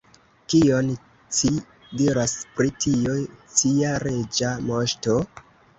Kion ci diras pri tio, cia Reĝa Moŝto?